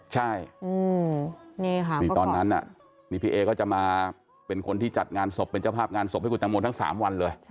ใช่นี่ค่ะนี่ตอนนั้นนี่พี่เอก็จะมาเป็นคนที่จัดงานศพเป็นเจ้าภาพงานศพให้คุณตังโมทั้ง๓วันเลย